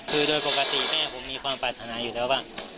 คือโดยปกติแม่ผมมีความปรารถนาอยู่แล้วบ้าง